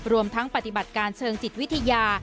รวมทั้งปฏิบัติการเชิงจิตวิทยา